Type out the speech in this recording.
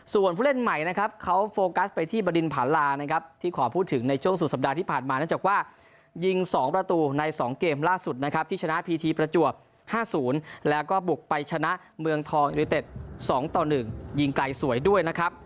ส่วนผู้เล่นใหม่นะครับเขาโฟกัสไปที่บดินผาลานะครับที่ขอพูดถึงในช่วงสุดสัปดาห์ที่ผ่านมาเนื่องจากว่ายิง๒ประตูใน๒เกมล่าสุดนะครับที่ชนะพีทีประจวบ๕๐แล้วก็บุกไปชนะเมืองทองยูนิเต็ด๒ต่อ๑ยิงไกลสวยด้วยนะครับ